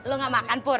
lu gak makan pur